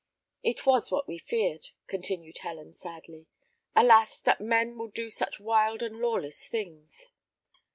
"It was what we feared," continued Helen, sadly. "Alas! that men will do such wild and lawless things.